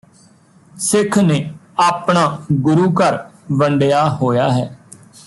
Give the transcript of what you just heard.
ਸਿੱਖ ਨੇ ਆਪਣਾ ਗੁਰੂ ਘਰ ਵੰਡਿਆ ਹੋਇਆ ਹੈ